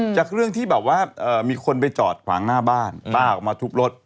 จากเรื่องที่แบบว่ามีคนไปจอดขวางหน้าบ้านป้าออกมาทุบรถ